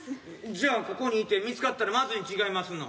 じゃあここにいて見つかったらまずいんちがいますの？